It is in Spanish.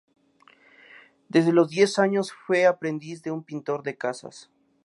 Desde los diez años fue aprendiz de un pintor de casas.